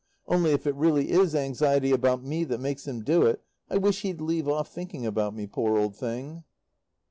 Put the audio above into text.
Only if it really is anxiety about me that makes him do it, I wish he'd leave off thinking about me, poor old thing.